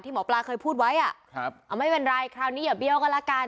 หมอปลาเคยพูดไว้อ่ะครับเอาไม่เป็นไรคราวนี้อย่าเบี้ยวก็ละกัน